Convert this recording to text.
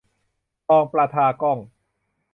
ทองประทากล้อง